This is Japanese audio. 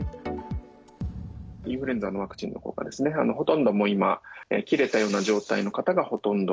インフルエンザのワクチンの効果ですね、ほとんど今、切れたような状態の方がほとんど。